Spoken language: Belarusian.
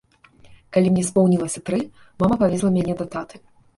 Калі мне споўнілася тры, мама павезла мяне да таты.